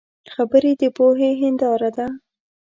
خبرې د پوهې هنداره ده